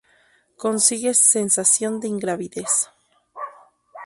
Consigue sensación de ingravidez.